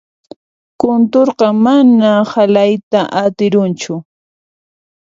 Kunturqa mana halayta atiranchu.